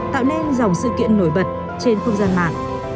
tạo nên dòng sự kiện nổi bật trên không gian mạng